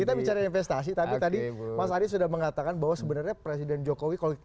kita bicara investasi tapi tadi mas ari sudah mengatakan bahwa sebenarnya presiden jokowi